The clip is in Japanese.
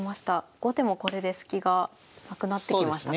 後手もこれでスキがなくなってきましたか？